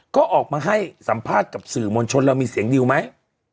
ก็ออกมาให้สัมภาษณ์กับสื่อมวลชนเรามีเสียงดิวไหม